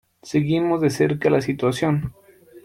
Seguimos de cerca la situación.